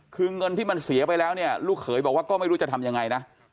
คือเงินที่มันเสียไปแล้วเนี่ยลูกเขยบอกว่าก็ไม่รู้จะทำยังไงนะ